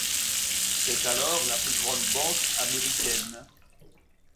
C'est alors la plus grande banque américaine.